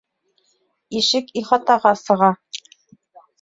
Ишек ихатаға сыға